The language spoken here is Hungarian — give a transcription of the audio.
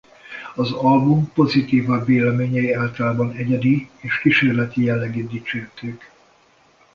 Az album pozitívabb véleményei általában egyedi és kísérleti jellegét dicsérték.